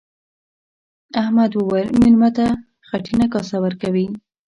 احمد وويل: مېلمه ته خټینه کاسه ورکوي.